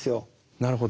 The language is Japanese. なるほど。